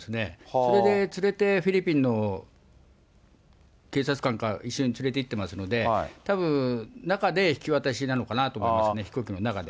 それで連れて、フィリピンの警察官か、一緒に連れていってますので、たぶん中で引き渡しなのかなと思いますね、飛行機の中で。